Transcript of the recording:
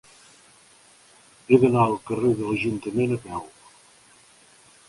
He d'anar al carrer de l'Ajuntament a peu.